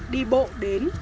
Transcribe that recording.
đi bộ đến